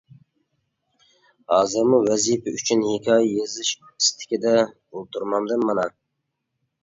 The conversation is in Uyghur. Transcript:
ھازىرمۇ ۋەزىپە ئۈچۈن ھېكايە يېزىش ئىستىكىدە ئولتۇرمامدىم مانا!